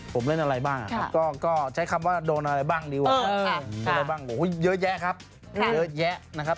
ผมเล่นอะไรบ้างครับก็ใช้คำว่าดูอะไรบ้างดีกว่าโอ้โฮยกแยะครับ